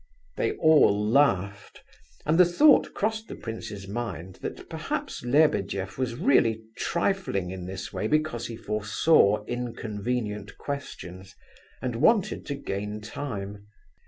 ..." They all laughed, and the thought crossed the prince's mind that perhaps Lebedeff was really trifling in this way because he foresaw inconvenient questions, and wanted to gain time.